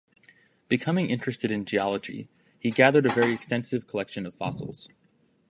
Becoming interested in geology he gathered a very extensive collection of fossils.